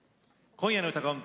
今夜の「うたコン」